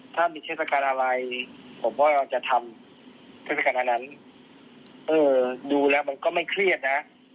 ถ้ามีเทศกาลอะไรผมว่าเราจะทำเทศกาลอันนั้นเออดูแล้วมันก็ไม่เครียดนะ